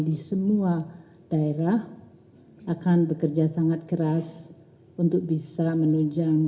di semua daerah akan bekerja sangat keras untuk bisa menunjang